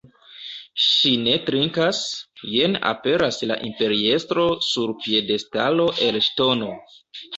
Ŝi ne trinkas, jen aperas la imperiestro sur piedestalo el ŝtono.